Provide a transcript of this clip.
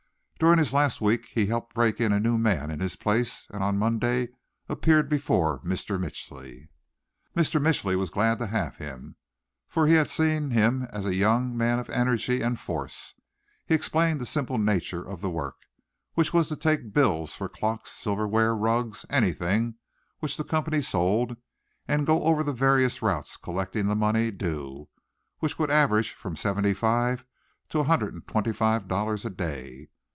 During his last week he helped break in a new man in his place, and on Monday appeared before Mr. Mitchly. Mr. Mitchly was glad to have him, for he had seen him as a young man of energy and force. He explained the simple nature of the work, which was to take bills for clocks, silverware, rugs, anything which the company sold, and go over the various routes collecting the money due, which would average from seventy five to a hundred and twenty five dollars a day.